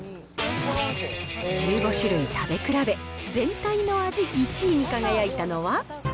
１５種類食べ比べ、全体の味１位に輝いたのは。